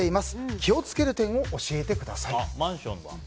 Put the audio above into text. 気を付ける点を教えてください。